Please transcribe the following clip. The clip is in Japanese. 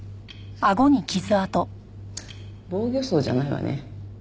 防御創じゃないわね。